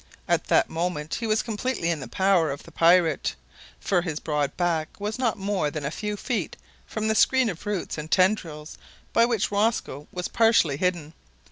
At that moment he was completely in the power of the pirate, for his broad back was not more than a few feet from the screen of roots and tendrils by which Rosco was partially hidden.